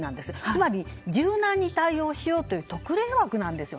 つまり、柔軟に対応しようという特例枠なんです。